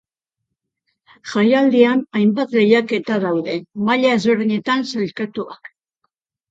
Jaialdian hainbat lehiaketa daude, maila ezberdinetan sailkatuak.